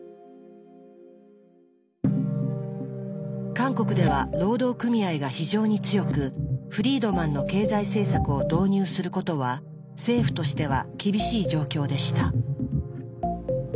韓国では労働組合が非常に強くフリードマンの経済政策を導入することは政府としては厳しい状況でした。